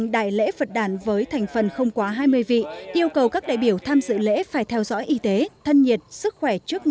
đại lễ phật đàn phật lịch hai nghìn năm trăm sáu mươi bốn